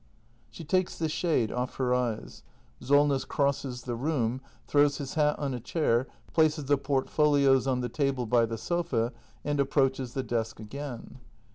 [She takes the shade off her eyes. Solness crosses tlie room, throws his hat on a chair, places the port folios on the table by the sofa, and approaches the desk again.